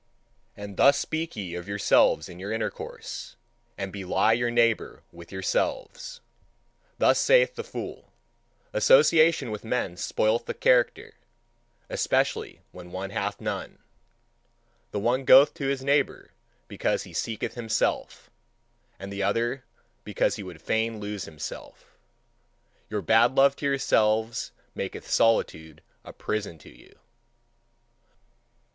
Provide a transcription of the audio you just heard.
And thus speak ye of yourselves in your intercourse, and belie your neighbour with yourselves. Thus saith the fool: "Association with men spoileth the character, especially when one hath none." The one goeth to his neighbour because he seeketh himself, and the other because he would fain lose himself. Your bad love to yourselves maketh solitude a prison to you.